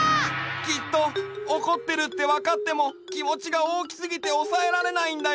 きっとおこってるってわかってもきもちがおおきすぎておさえられないんだよ！